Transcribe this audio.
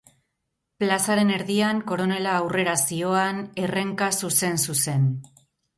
Plazaren erdian, koronela aurrera zihoan herrenka zuzen-zuzen.